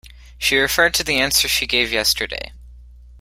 She referred to the answer she gave yesterday.